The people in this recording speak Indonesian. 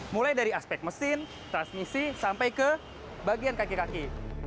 mulai dari aspek mesin transmisi sampai ke bagian kaki kaki